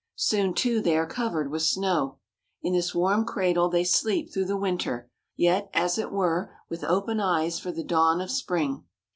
Soon, too, they are covered with snow. In this warm cradle they sleep through the winter, yet, as it were, with open eyes for the dawn of spring.